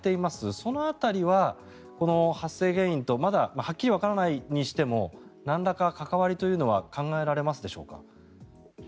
その辺りはこの発生原因とまだわからないにしてもなんらか関わりというのは考えられますでしょうか？